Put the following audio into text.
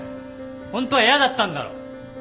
ホントは嫌だったんだろ！